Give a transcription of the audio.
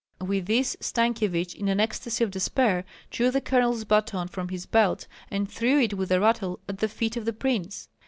With this Stankyevich, in an ecstasy of despair, drew the colonel's baton from his belt, and threw it with a rattle at the feet of the prince.